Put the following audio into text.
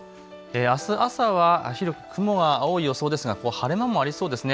あす朝は広く雲が多い予想ですが晴れ間もありそうですね。